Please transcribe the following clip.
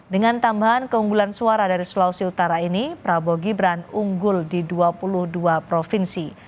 dengan tambahan keunggulan suara dari sulawesi utara ini prabowo gibran unggul di dua puluh dua provinsi